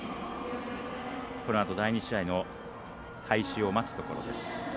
このあと第２試合の開始を待つところです。